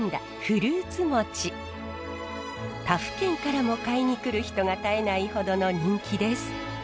他府県からも買いに来る人が絶えないほどの人気です。